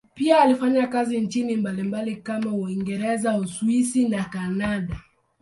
Pia alifanya kazi nchini mbalimbali kama Uingereza, Uswisi na Kanada.